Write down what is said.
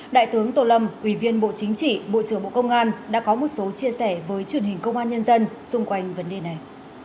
đại tướng tô lâm ủy viên bộ chính trị bộ trưởng bộ công an đã có một số chia sẻ với truyền hình công an nhân dân xung quanh vấn đề này